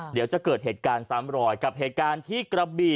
เดี๋ยวจะเกิดเหตุการณ์ซ้ำรอยกับเหตุการณ์ที่กระบี่